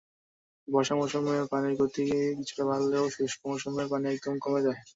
বর্ষা মৌসুমে পানির গতি কিছুটা বাড়লেও শুষ্ক মৌসুমে পানি একদম কমে যায়।